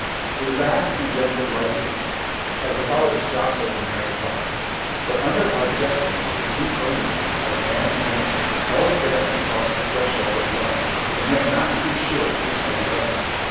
We laughed and jested lightly enough, as about us jostled the merry throng; but under our jesting was the deep earnestness of man and woman well advanced across the threshold of love and yet not too sure each of the other.